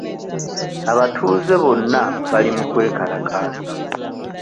Abatuuze bonna bali mu kwekalakaasa.